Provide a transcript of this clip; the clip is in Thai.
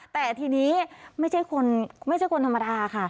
แต่ทีนี้ไม่ใช่คนไม่ใช่คนธรรมดาค่ะ